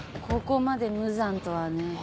ここまで無残とはね。